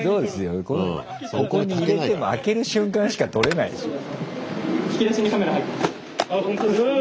ここに入れても開ける瞬間しか撮れないでしょ。